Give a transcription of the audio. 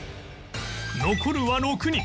残るは６人